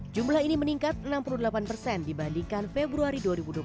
jumlah ini meningkat enam puluh delapan persen dibandingkan februari dua ribu dua puluh satu